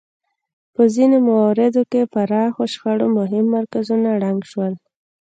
په ځینو مواردو کې پراخو شخړو مهم مرکزونه ړنګ شول.